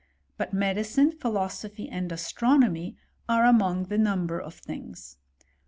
But medicine, philosophy, and astronomy, are among the numher of. things.